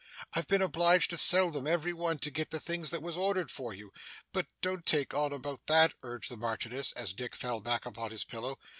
'I've been obliged to sell them, every one, to get the things that was ordered for you. But don't take on about that,' urged the Marchioness, as Dick fell back upon his pillow.